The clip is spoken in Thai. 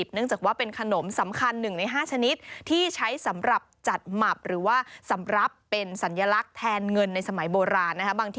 เนื่องจากว่าเป็นขนมสำคัญ๑ใน๕ชนิดที่ใช้สำหรับจัดหมับหรือว่าสำหรับเป็นสัญลักษณ์แทนเงินในสมัยโบราณ